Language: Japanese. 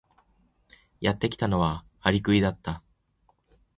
やってきたのはアリクイだった。